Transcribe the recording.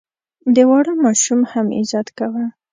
د واړه ماشوم هم عزت کوه.